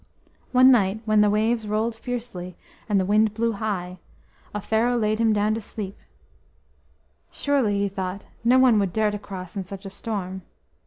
One night when the waves rolled fiercely and the wind blew high, Offero laid him down to sleep. Surely, he thought, no one would dare to cross in such a storm.